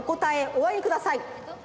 おあげください！